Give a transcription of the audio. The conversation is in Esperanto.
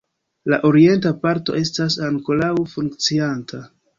La orienta parto estas ankoraŭ funkcianta.